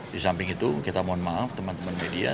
di samping itu kita mohon maaf teman teman media